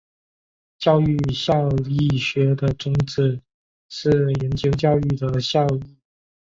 教育效益学的宗旨是研究教育的效益。